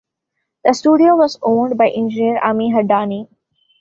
The studio was owned by engineer Ami Hadani.